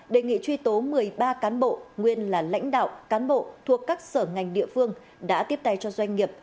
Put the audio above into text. đề nghị truy tố một mươi ba cán bộ nguyên là lãnh đạo cán bộ thuộc các sở ngành địa phương đã tiếp tay cho doanh nghiệp